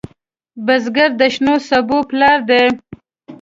بزګر د شنو سبو پلار دی